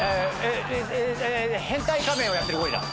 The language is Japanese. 変態仮面をやってるゴリラ。